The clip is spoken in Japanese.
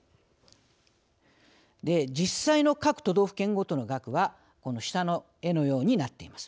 実際の各都道府県ごとの額はこの下の絵のようになっています。